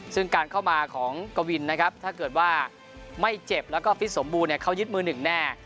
ซึ่งการเข้ามาของกวินนะครับถ้าเกิดว่าไม่เจ็บแล้วก็ฟิตสมบูรณ์เขายึดมือหนึ่งแน่